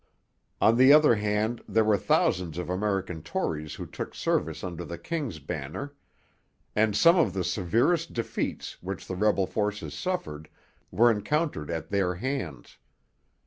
On the other hand there were thousands of American Tories who took service under the king's banner; and some of the severest defeats which the rebel forces suffered were encountered at their hands.